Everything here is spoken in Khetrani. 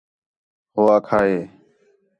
ہو ھا آکھا ہے